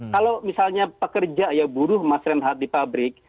kalau misalnya pekerja ya buruh mas renhard di pabrik